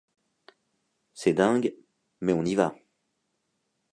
C'est dingue, mais on y va...